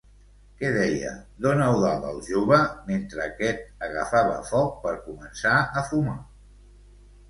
Què deia don Eudald al jove mentre aquest agafava foc per començar a fumar?